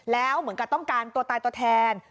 แล้วเหมือนกับต้องการตัวตายตัวแทน